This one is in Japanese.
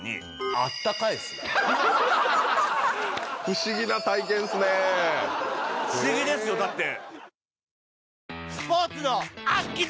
不思議ですよだって。